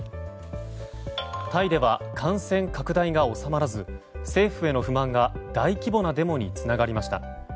タイでは感染拡大が収まらず政府への不満が大規模なデモにつながりました。